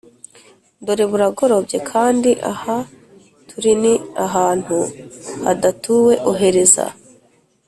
dore buragorobye kandi aha turi ni ahantu hadatuwe Ohereza